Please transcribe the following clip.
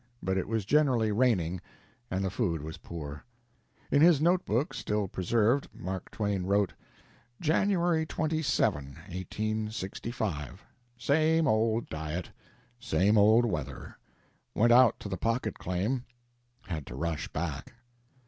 But it was generally raining, and the food was poor. In his note book, still preserved, Mark Twain wrote: "January 27 (1865). Same old diet same old weather went out to the pocket claim had to rush back."